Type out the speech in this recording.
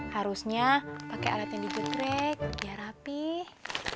harusnya pakai alat yang digerek biar rapih